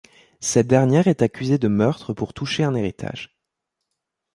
Cette dernière est accusée de meurtre pour toucher un héritage.